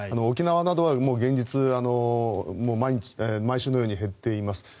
沖縄などはもう現実毎週のように減っています。